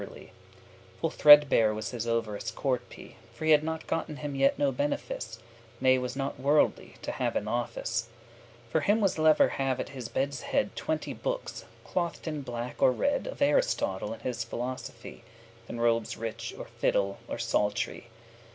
*thin; poorly Full threadbare was his *overest courtepy*, *uppermost short cloak* For he had gotten him yet no benefice, Ne was not worldly, to have an office. For him was lever* have at his bed's head *rather Twenty bookes, clothed in black or red, Of Aristotle, and his philosophy, Than robes rich, or fiddle, or psalt'ry.